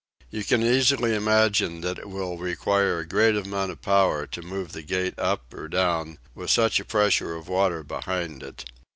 You can easily imagine that it will require a great amount of power to move the gate up or down with such a pressure of water behind it.